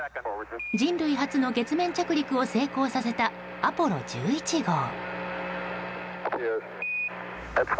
人類初の月面着陸を成功させた「アポロ１１号」。